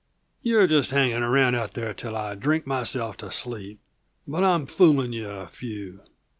You're just hanging around out there till I drink myself to sleep but I'm fooling you a few!